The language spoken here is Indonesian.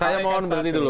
saya mohon berhenti dulu